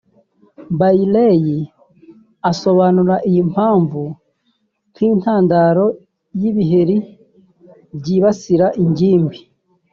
Bailey asobanura iyi mpamvu nk’intandaro y’ibiheri byibasira ingimbi